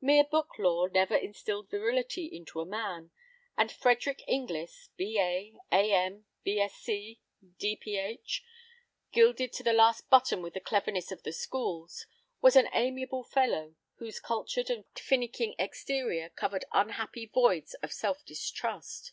Mere book lore never instilled virility into a man, and Frederick Inglis, B.A., A.M., B.Sc., D.Ph., gilded to the last button with the cleverness of the schools, was an amiable fellow whose cultured and finnicking exterior covered unhappy voids of self distrust.